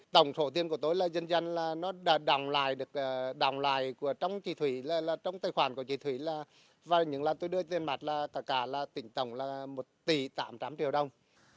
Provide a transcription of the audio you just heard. tổng số tiền của tôi là dân dân đã đồng lại trong tài khoản của chị thủy và những lần tôi đưa tiền mặt là tỉnh tổng một tỷ tám trăm linh triệu đồng